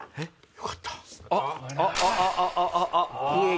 よかった。